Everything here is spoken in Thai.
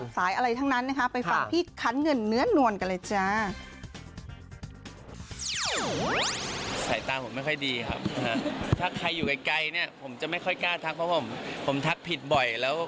สายแร็ปกับสายอะไรทั้งนั้นนะคะ